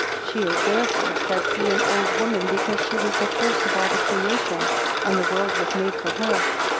She is therefore, said he, an old woman, because she was the first of all the creation, and the world was made for her.